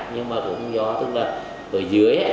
nhưng mà cũng do tức là ở dưới